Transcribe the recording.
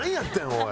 おい。